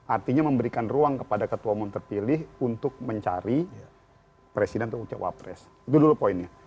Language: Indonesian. artinya memberikan ruang kepada ketua umum terpilih untuk mencari presiden atau cawapres itu dulu poinnya